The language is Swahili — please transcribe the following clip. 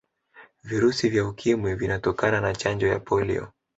virusi vya ukimwi vinatokana na Chanjo ya polio